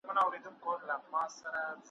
خو تقصیر په بېتقصیرو لکه تل ږدي